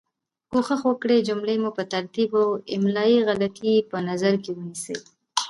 کوښښ وکړئ جملې مو په ترتیب او املایي غلطې یي په نظر کې ونیسۍ